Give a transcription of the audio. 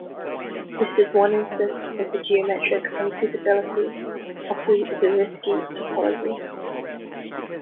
This is one instance of the geometric unsuitability of the Zariski topology.